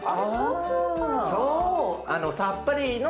そう。